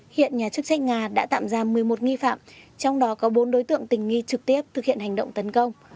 hiện nhà chức trách nga đã tạm giam một mươi một nghi phạm trong đó có bốn đối tượng tình nghi trực tiếp thực hiện hành động tấn công